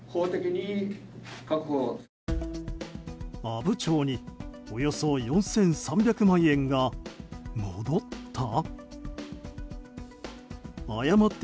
阿武町におよそ４３００万円が戻った？